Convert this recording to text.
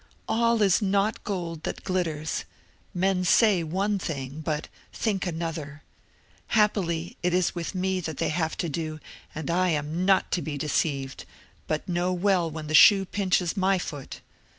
All is not gold that glitters. Men say one thing, but think another: happily, it is with me that they have to do; and I am not to be deceived, but know well when the shoe pinches my foot.